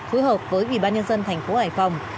phối hợp với ủy ban nhân dân tp hải phòng